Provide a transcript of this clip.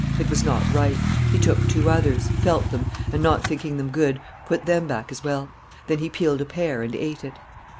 It was not ripe. He took two others, felt them, and, not thinking them good, put them back as well. Then he peeled a pear and ate it.